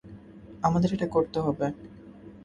আমাদের এটা করতে হবে।